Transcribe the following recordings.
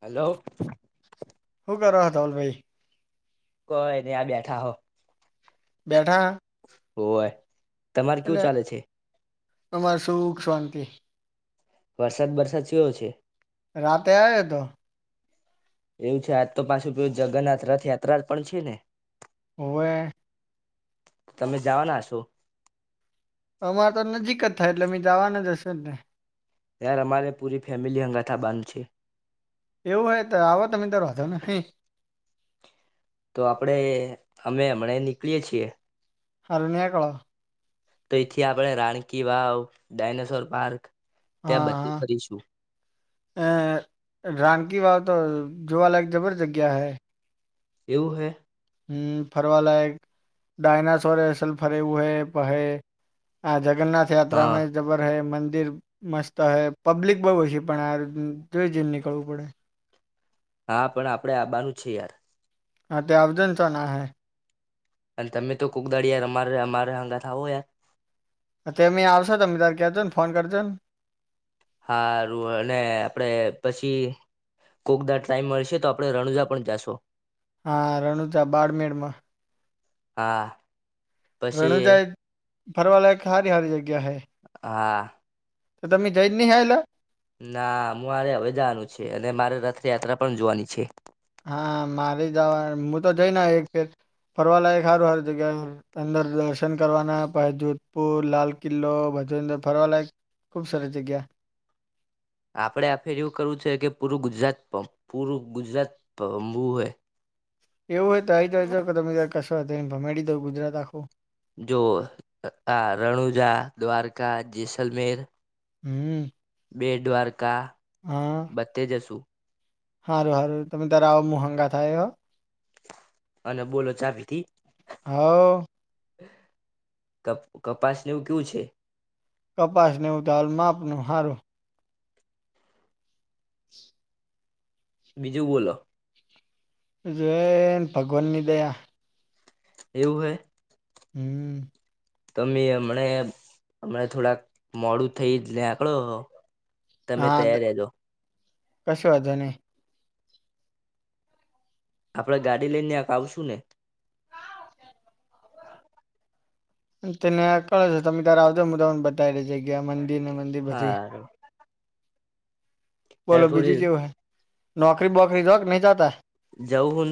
Hello. હું કરોહો ધવલભાઈ? કઈ નઈ આ બેઠા હ બેઠા હોવે તમારે કેવું ચાલે છે? અમારે સુખ, શાંતિ. વરસાદ બરસાદ ચેઓ છે. રાતે આયો હતો. એવું છે આજ તો પાછું પૂ જગન્નાથ રથયાત્રા પણ છે ને. હોવે. તમે જાવાના હશો? અમારે તો નજીક જ થાય એટલે અમે જાવાને જ હશે ને. યાર અમારે પૂરી ફેમિલી હંગાથા બાંધ છે. એવું હોય તો આવો તમે તો વાંધો નહીં. તો આપડે હમે અમણે નીકળીએ છીએ. હારુ નેકળો. તો એથી આપણે રાણકી વાવ, ડાયનાસોર પાર્ક ત્યાં હા બધી હા કરીશું. અ રાનકી વાવ તો જોવાલાયક જબર જગ્યા હૈ. એવુ હે? હમ, ફરવા લાયક. ડાયનાસોર હસલ ફરે એવું હે. પહે આ જગન્નાથ હા યાત્રામાં જબર હૈ મંદિર મસ્ત હૈ, પબ્લિક બહુ હછી પણ આ જોઈ જઈને નીકળવું પડે. હા, પણ આપડે આવાનું છે યાર. હા, તે આવજો ને ચ્યા ના હે. પણ તમે તો [unintelligible] તુ હે આવું હે. તેમેં આવશો તમે તાર ક્યાજોને ફોન કરજો ને. હારું, અને આપડે પછી કોકદા ટાઈમ મળશે તો આપણે રણુજા પણ જાશો. હા, રણુજા બાળમેળમાં. હા. પછી રણુજાય ફરવાલાયક એક હારી હારી જગ્યા હે. હા તો તમે જઈ જ નહી આયલા ના હું મારે હવે જાવાનું છે અને મારે રથયાત્રા પણ જોવાની છે. હા મારી જવા હું તો જઈને એક ફેર ફરવા લાયક સારું હર જગ્યા [inaudible] અંદર દર્શન કરવાના પ જોધપુર, લાલ કિલ્લો ભજદર, ફરવાલાયક ખુબ સર જગ્યા. આપડે આ ફેર એવું કરવું છે કે પૂરું ગુજરાત પૂરું ગુજરાત પામવું હોય. એવું હોય તો આઈ જ તમે ત કશો ભમેડી દઉ ગુજરાત આખો. જો આ રણુજા, દ્વારકા, જેૈસલમેર. હમ બેટ દ્વારકા. હા બધે જશું. સારું સારું તમે તાર આ મોહંગા આયો. અને બોલો ચા પીધી? હોવ. ક કપાસને એવું કેવું છે? કપાસને એવું તો હાલ માપનો હારું. બીજું બોલો. જયન ભગવાનની દયા. એવું હૈ? હમ તમે હમણા હમણા થોડાક મોડું થઈ નેંકળો હો. હા કશો વાંધો નઈ. આપડે ગાડી લઈને ન્યા આવશું ને? તેને નેકળો છો તમે તારે આવજો મુદાને બતાવી જગ્યા મંદિર ને માઈ. હારૂ. યાર બોલો થોડી બીજી એવું હે? નોકરી બોકરી જાઓ કે નહી જતા? જવું હું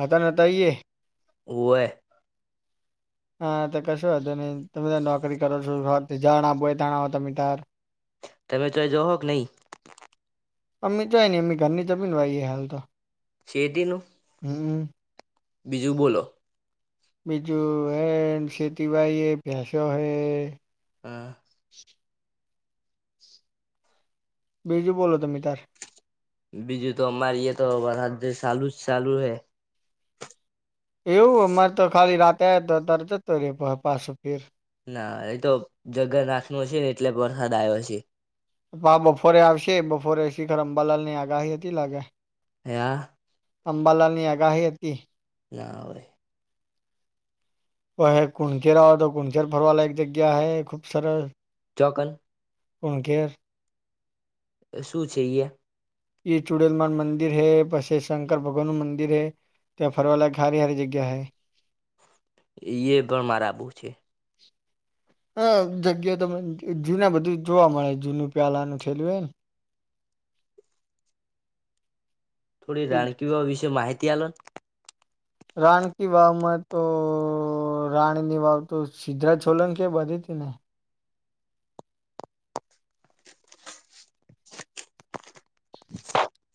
અત્યાર નહીં તો ઈએ હોવે. હા તો કશું વાંધો નહી. તમે નોકરી કરો છો જાણા બોય તાણા હો તમે તાર. તમે ત્યાં જોહો કે નહી? અમે ક્યાંય નહીં અમ ઘરની જમીન વાઈએ હાલ તો. સેતીનું? હમ બીજું બોલો. બીજું એન ખેતી વાઈએ, ભસો હે. હા બીજું બોલો તમે તાર. બીજું તો અમારી એ તો વરર્હત ચાલુ જ ચાલુ હે. એવું અમારે તો ખાલી રાતે તો જતો ર પાછું ફેર. ના એતો જગર નાખનું હશે ને એટલે વરસાદ આવ્યો હશે. આ બપોરે આવશે બપોરે શિખર અંબાલાલની આગાહી હતી લાગે. એયા. અંબાલાલ ની આગાહી હતી. ના આવે. ઓ હ કુણચેર આવ તો કુણચેર ફરવાલાયક એક જગ્યા હ ખૂબ સરસ. ચોકન કુણઘેર. શું છે ઈયા? ઈ ચુડેલમાનું મંદિર હૈ, પછી શંકર ભગવાનનું મંદિર હૈ. ત્યા ફરવા લાયક હારી હારી જગ્યા હૈ. ઈયે પણ મારાબુ છે. હ જગ્યા તમને જૂના બધું જોવા મળે જૂનું પ્યાલાનું થયેલું હોય ને. થોડી રાણકી વાવ વિશે માહિતી આલોને. રાણકી વાવમાં તો રાણીની વાવ તો સિદ્ધરાજ છોલંકી બાધી હતી ને? [inaudible]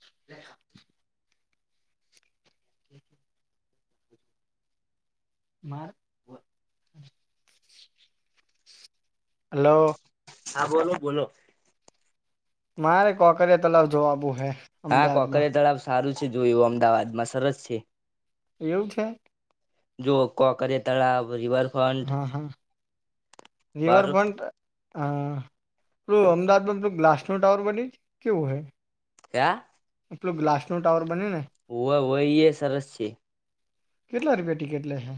[inaudible] માર હલો હા બોલો બોલો. મારે કોકરિયા તલાવ જોવા આબું હે. હા અમદાવાદમાં કોકરીયા તળાવ સારું છે જોયું, અમદાવાદમાં સરસ છે. એવું છે? જો કાંકરીયા તળાવ, રીવર હા હા પર રિવરફ્રન્ટ હા પેલું અમદાવાદમાં પેલું ગ્લાસનો ટાવર બન્યું કેવું હે? ક્યાં? પેલું ગ્લાસ નો ટાવર બન્યું ને, હોવે હોવે એ સરસ છે. કેટલા રૂપિયા ટિકિટ લે હે,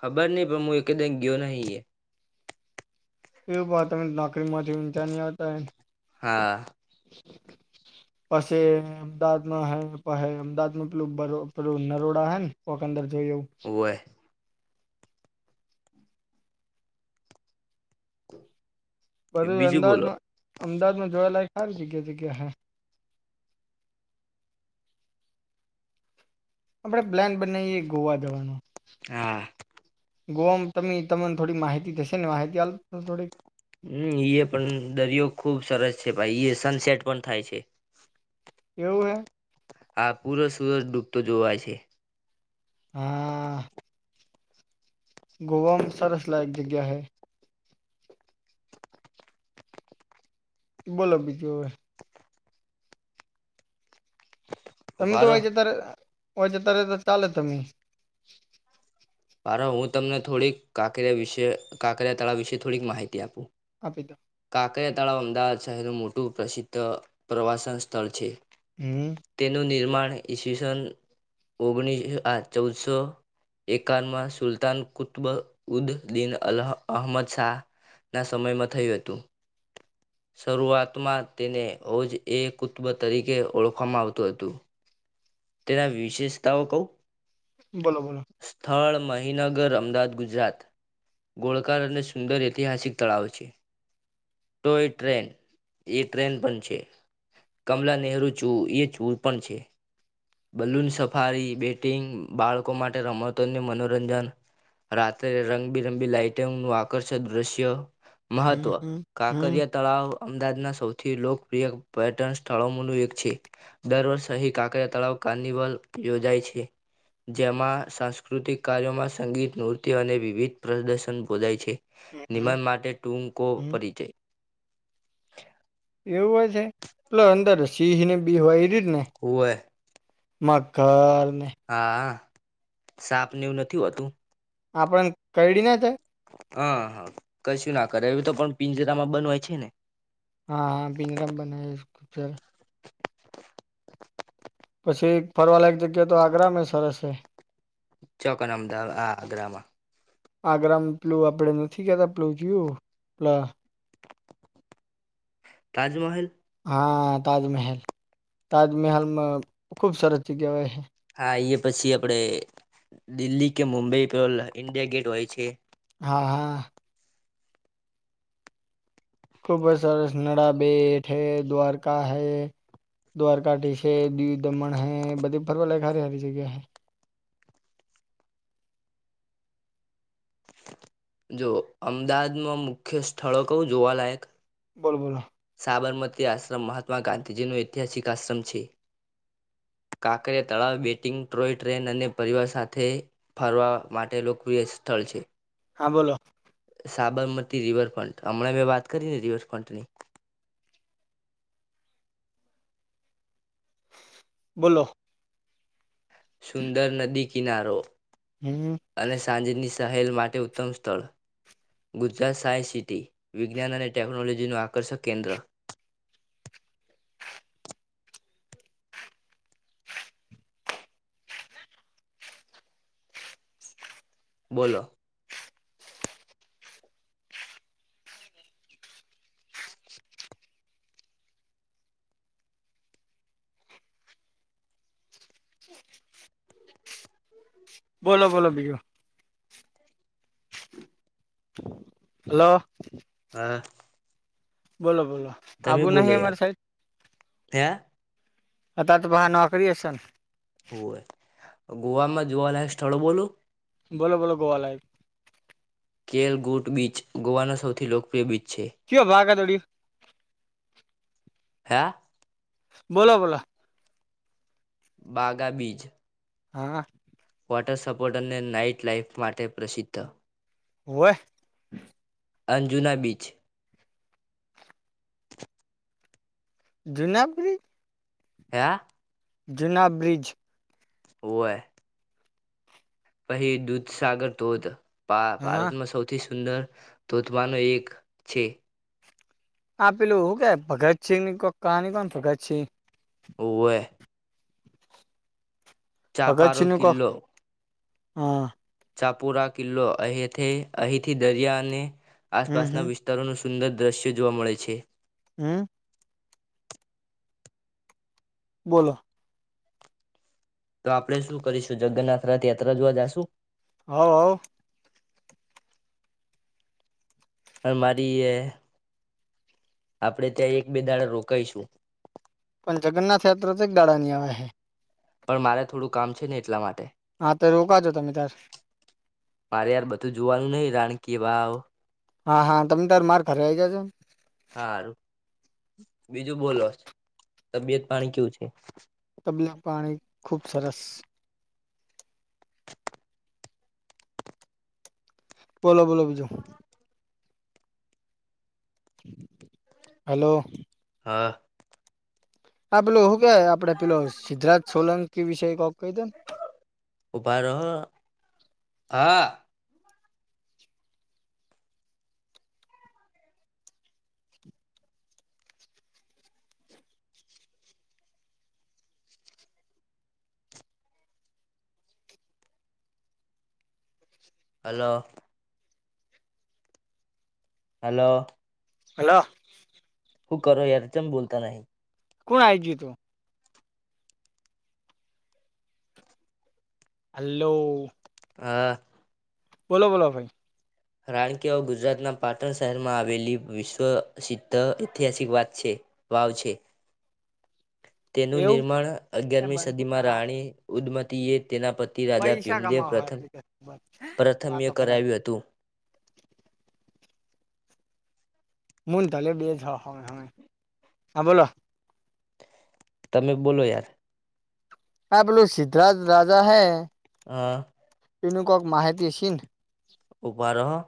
ખબર નહિ પણ મું એકદમ ગયો નહી એ, એવું પણ તમે નોકરી માંથી ઊંચા નહીં આવતા હે, હા પસે અમદાવાદમાં હૈ પહ અમદાવાદમાં પેલુ પેલું નરોડા હૈ ને, કોક અંદર જોય એવું, ઓવે [inaudible] બધું બીજું બોલો અમદાવાદમાં અમદાવાદમાં જોવા લાયક સારી જગ્યા જગ્યા હે, આપણેે પ્લાન બનાવીએ ગોવા જવાનો. હા ગોવામાં ત તમને થોડી માહિતી થશે ને માહિતી આલો તો થોડીક, હમ એ પણ દરિયો ખુબ સરસ છે ભાઈ એ સનસેટ પણ થાય છે. એવું હૈ. આ પૂરો સુરજ ડૂબતો જોવાય છે. હા. ગોવા મા સરસલાક જગ્યા હે. બોલો બીજુ એ, ભારો અમદાવાદ જતા રહ્યા ઓય જતા રહે ત તો ચાલે તમે, આર હું તમને થોડીક કાંકરિયા વિશે કાંકરિયા તળાવ વિશે થોડીક માહિતી આપું. આપી તો, કાંકરિયા તળાવ અમદાવાદ શહેરનું મોટું પ્રસિદ્ધ પ્રવાસન સ્થળ છે. હમ, તેનું નિર્માણ ઈસવીસન ઓગણીસ આ ચૌદસો એકાવનમાં સુલતાન કુતબ ઉદ બિન અલહ અહમદ શાહ, ના સમયમાં થયું હતું. શરૂઆતમાં તેને હો જ એ કુતબ તરીકે ઓળખવામાં આવતું હતું. તેના વિશેષતાઓ કહું, બોલો બોલો. સ્થળ મહીનગર અમદાવાદ ગુજરાત ગોળકાર અને સુંદર ઐતિહાસિક તળાવ છે. તો એ ટ્રેન એ ટ્રેન પણ છે. કમલા નહેરુ ચૂ એ ચૂ પણ છે. બલૂન સફારી બેટિંગ બાળકો માટે રમતોને મનોરંજન રાત્રે રંગબીરંગબી લાઈટંગ નું આકર્ષક દ્રશ્ય હમ મહત્વ હમ હમ કાકરિયા તળાવ અમદાવાદના સૌથી લોકપ્રિય પર્યટન સ્થળોનું એક છે. દર વર્ષ સહી કાંકરિયા તળાવ કાર્નિવલ યોજાય છે. જેમાં સાંસ્કૃતિક કાર્યોમાં સંગીત, નૃર્ત્ય અને વિવિધ પ્રદર્શન બોલાય છે. હમ નિમન માટે ટૂકો હમ પરિચય. એવું હોય છે પેલો અંદર સીહ ને બી હોય એ રીત ને. હોવે મથર. હા સાપને એવું નથી હોતું. આપડને કરડી ના જાય હા હા કશું ના કરે એ તો પણ પિંજરામાં બન હોય છે ને. હા હા [unintelligible] નરામ બના પછી ફરવાલાયક જગ્યા તો આગ્રા મેં સરશ છે. ચોક ના અમદાવાદ આ આગ્રામાં. આગ્રમાં પેલું આપડે નથી કેતા, પેલું ચીયું પ તાજમહેલ. હા, તાજમહેલ તાજમહેલમાં ખુબસરત થી કહેવાય હે. હા, એ પછી આપડે દિલ્હી કે મુંબઈ પે ઇન્ડિયા ગેટ હોય છે. હા, હા. ખૂબ સરસ, નડા બેેટ હૈ દ્વારકા હૈ. દ્વારકાઠી છે, દીવ દમણ હૈ, બધી ફર્વા લાયક હારી હારી જગ્યા હૈ. જો અમદાવાદમાં મુખ્ય સ્થળો કવું જોવાલાયક બોલ, બોલો. સાબરમતી આશ્રમ મહાત્મા ગાંધીજીનો ઐતિહાસિક આશ્રમ છે. કાંકરે તળાવ બેટિંગ ટ્રોય ટ્રેન અને પરિવાર સાથે ફરવા માટે લોકપ્રિય સ્થળ છે. હા, બોલો. સાબરમતી રિવરફ્રન્ટ હમણાં મેં વાત કરીને રિવરફ્રન્ટની બોલો. સુંદર નદી કિનારો હમ. અને સાંજેની સહેલ માટે ઉત્તમ સ્થળ ગુજરાત સાયન્સ સિટી વિજ્ઞાન અને ટેકનોલોજીનું આકર્ષક કેન્દ્ર બોલો. બોલો, બોલો, બીજું. હલો. હ. બોલો, બોલો. તમે આબુ બોલો નહી યાર. અમારી સાઈડ નોકરી હશે ને. હોય, ગોવા માં જોવાલાયક સ્થળો બોલું? બોલો, બોલો, ગોવા લાયક કેલ ગૂટ બીચ ગોવાનો સૌથી લોકપ્રિય બીચ છે. કયો ભાગ? હે? બોલો, બોલો. બાગા બીજ. હા. વોટર સપોર્ટ અને નાઈટ લાઈફ માટે પ્રસિદ્ધ હોવે. અંજુના બીચ. જુના બ્રિજ. હે? જુના બ્રિજ. હોવે. પહિ દૂધ સાગર ધોધ હા ભા-ભારતમાં સૌથી સુંદર તોતવાનો એક છે. આ પેલુ હું કેવાય, ભગતસિંહની કોક કહાની કોને ભગતસિંહ હોવે. ચાપારો ભગતસિંહનું કોહ કિલ્લો હા. ચાપુરા કિલ્લો અહીંથી અહીંથી દરિયા અને હમ હમ આસપાસના વિસ્ તારોનું સુંદર દ્રશ્ય જોવા મળે છે. હમ્મ બોલો. તો આપડે શું કરીશું જગન્નાથ રથયાત્રા જોવા જાશું? હોવ હાઓ. અમારીએ આપડે ત્યાં એક બે દાડા રોકાઈશું. પણ જગન્નાથયાત્રા તો એક દાડાની આવે હે. પણ મારે થોડું કામ છે ને એટલા માટે. હાતે રોકાજો તમેતાર. મારે યાર બધું જોવાનું નહિ રાણકીવાવ. હા હા તમે તાર માર ઘરે આવી જાજોને. હારું બીજું બોલો. તબિયત પાણી કેવું છે? તબિયત પાણી ખુબ સરસ. બોલો બોલો બીજું. હલો હા આ પેલું હું કેવાય આપડે પેલો સિદ્ધરાજ સોલંકી વિશે કોક કહી દોને. ઉભા રોહો હા. હલો હલો હલો હું કરો યાર ચમ બોલતા નહીં. કુણ આઈજ્યું તું? હલ્લો હા બોલો બોલો ભઈ. રાણકીવાવ ગુજરાતના પાટણ શહેરમાં આવેલી વિશ્વસિદ્ધ ઐતિહાસિક વાત છે. વાવ છે. તેનું નિર્માણ અગયારમી એવું સદીમાં રાણી ઉદમતીએ તેના પ તિ રાજા પૈસા ભીમદેવ કમાવા હોય વાતો પ્રથમ-પ્રથમ્ય કરવા કરાવ્યું હતું. મું તલે બેજ હ હ હા બોલો. તમે બોલો યાર. હા પેલો સિદ્ધરાજ રાજા હે હા ઈનુ કોક માહીતી સીન. ઉભા રો હો.